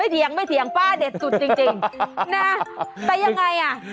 เถียงไม่เถียงป้าเด็ดสุดจริงนะแต่ยังไงอ่ะ